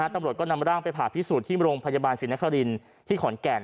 ตำรวจก็นำร่างไปผ่าพิสูจน์ที่โรงพยาบาลศรีนครินที่ขอนแก่น